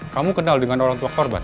kamu kenal dengan orang tua korban